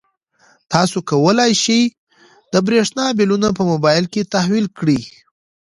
تاسو کولای شئ د برښنا بلونه په موبایل کې تحویل کړئ.